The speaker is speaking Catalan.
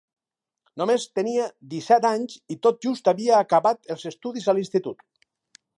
Només tenia disset anys i tot just havia acabat els estudis a l'institut.